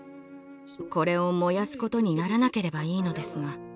これを燃やすことにならなければいいのですが。